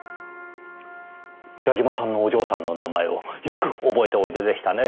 矢嶋さんのお嬢さんの名前をよく覚えておいででしたね。